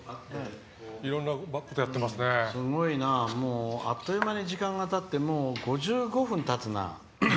すごいな、あっという間に時間がたって、もう５５分たつな。